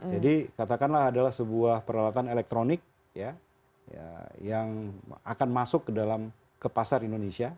jadi katakanlah adalah sebuah peralatan elektronik yang akan masuk ke dalam pasar indonesia